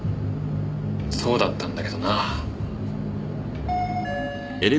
そうだったんだけどなぁ。